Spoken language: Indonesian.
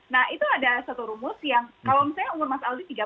nah itu ada satu rumus yang kalau misalnya umur mas aldi tiga puluh